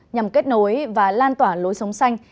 nhằm kết nối và lan tỏa lối sống xanh